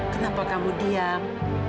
kenapa kamu diam